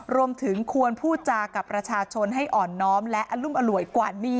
รวมถึงควรพูดจากับประชาชนให้อ่อนน้อมและอรุมอร่วยกว่านี้